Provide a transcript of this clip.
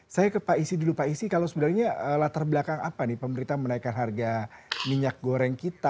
saya ke pak isi dulu pak isi kalau sebenarnya latar belakang apa nih pemerintah menaikkan harga minyak goreng kita